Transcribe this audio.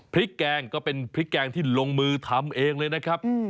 แกงก็เป็นพริกแกงที่ลงมือทำเองเลยนะครับ